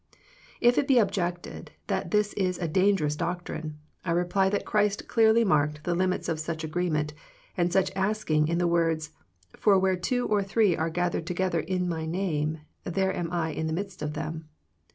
If it be objected that this is a dangerous doctrine, I reply that Christ clearly marked the limits of such agreement and such asking in the words, " For where two or three are gathered to gether in My name, there am I in the midst of them."